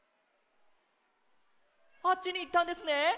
あっちにいったんですね？